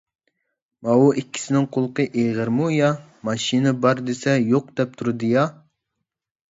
ماۋۇ ئىككىسىنىڭ قۇلىقى ئېغىرمۇ يا؟ ماشىنا بار دېسە يوق دەپ تۇرىدۇ-يا.